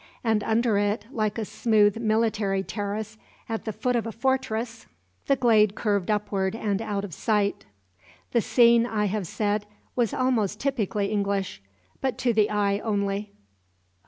And under it, like a smooth military terrace at the foot of a fortress, the glade curved upward and out of sight. The scene, I have said, was almost typically English but to the eye only.